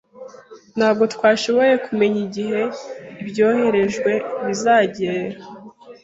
Ntabwo twashoboye kumenya igihe ibyoherejwe bizagera.